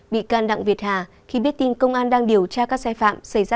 bị can đặng việt hà khi biết tin công an đang điều tra các sai phạm xảy ra